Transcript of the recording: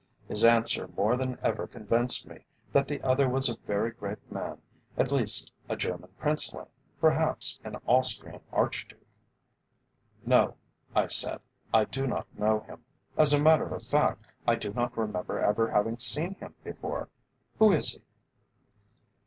His answer more than ever convinced me that the other was a very great man, at least a German princeling, perhaps an Austrian archduke. "No," I said, "I do not know him. As a matter of fact, I do not remember ever having seen him before. Who is he?"